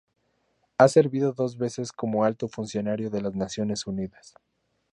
Ha servido dos veces como alto funcionario de las Naciones Unidas.